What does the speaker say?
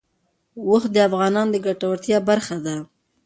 اوښ د افغانانو د ګټورتیا برخه ده.